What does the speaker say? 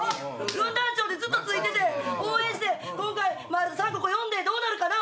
軍団長でずっとついてて応援して今回マイルドさんここ呼んでどうなるかな？